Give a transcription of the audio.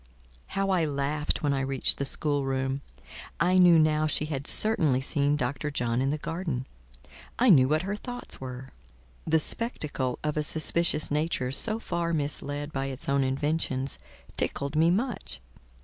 How I laughed when I reached the schoolroom. I knew now she had certainly seen Dr. John in the garden; I knew what her thoughts were. The spectacle of a suspicious nature so far misled by its own inventions, tickled me much.